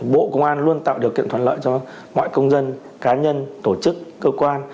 bộ công an luôn tạo điều kiện thuận lợi cho mọi công dân cá nhân tổ chức cơ quan